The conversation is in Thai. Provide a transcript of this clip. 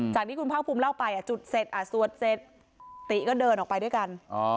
จากที่คุณภาคภูมิเล่าไปจุดเสร็จสวดเสร็จติก็เดินออกไปด้วยกัน